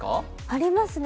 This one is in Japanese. ありますね。